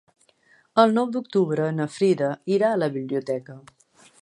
El nou d'octubre na Frida irà a la biblioteca.